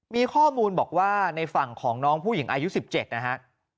มีข้อมูลบอกว่าในฝั่งของน้องผู้หญิงอายุ๑๗นะฮะ